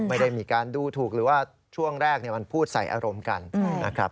ไม่ได้มีการดูถูกหรือว่าช่วงแรกมันพูดใส่อารมณ์กันนะครับ